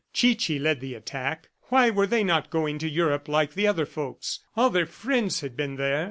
Chichi led the attack. Why were they not going to Europe like other folks? all their friends had been there.